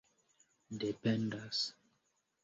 dependas